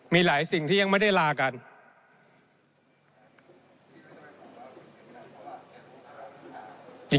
มีหลายสิ่งที่ยังไม่ได้ลากัน